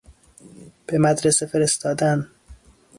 به مدرسه فرستادن